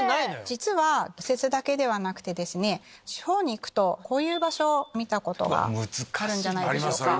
実は右折だけではなくて地方に行くとこういう場所見たことがあるんじゃないでしょうか。